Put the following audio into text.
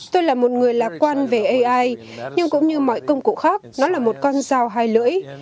tôi là một người lạc quan về ai nhưng cũng như mọi công cụ khác nó là một con dao hai lưỡi